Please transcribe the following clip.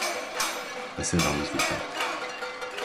Acenda a luz do quarto